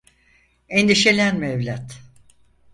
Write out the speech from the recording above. Endişelenme evlat.